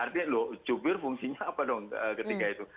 artinya loh jubir fungsinya apa dong ketika itu